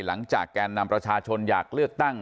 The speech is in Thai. หลังจากแกนนำประชาชนอยากเลือกตั้ง